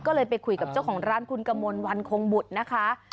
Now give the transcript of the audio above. ก็เลยไปคุยกับเจ้าของร้านคุณกมลวันคงบุตรนะคะ